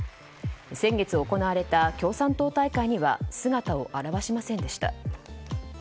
先月、行われた共産党大会には姿を現しませんでした。